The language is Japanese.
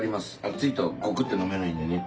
熱いとゴクって飲めないんでね。